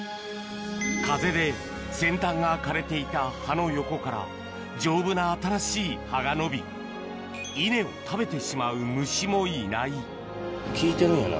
風で先端が枯れていた葉の横から丈夫な新しい葉が伸び稲を食べてしまう虫もいない効いてるんやな